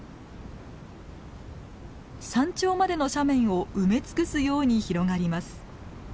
山頂までの斜面を埋め尽くすように広がります。